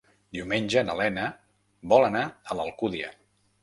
Diumenge na Lena vol anar a l'Alcúdia.